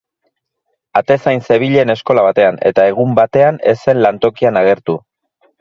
Atezain zebilen eskola batean, eta egun batean ez zen lantokian agertu.